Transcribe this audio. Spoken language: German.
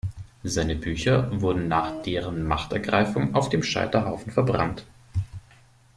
Seine Bücher wurden nach deren Machtergreifung auf dem Scheiterhaufen verbrannt.